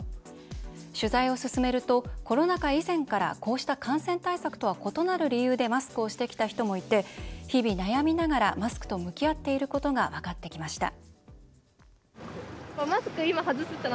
取材を進めるとコロナ禍以前からこうした感染対策とは異なる理由でマスクをしてきた人もいて日々悩みながらマスクと向き合っていることが分かってきました。